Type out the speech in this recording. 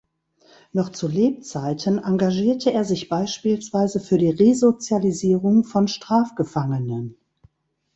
Noch zu Lebzeiten engagierte er sich beispielsweise für die Resozialisierung von Strafgefangenen.